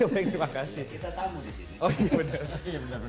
oh iya benar benar